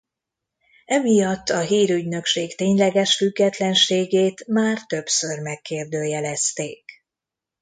Emiatt a hírügynökség tényleges függetlenségét már többször megkérdőjelezték.